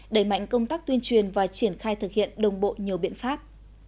đẩy mạnh công tác tuyên truyền và triển khai thực hiện đồng bộ nhiều biện pháp